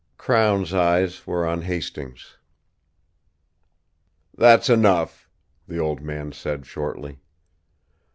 Crown's eyes were on Hastings. "That's enough," the old man said shortly.